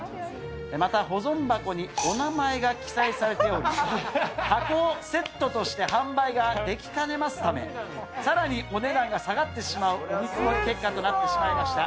また、保存箱にお名前が記載されており、箱をセットとして販売ができかねますため、さらにお値段が下がってしまうお見積り結果となってしまいました。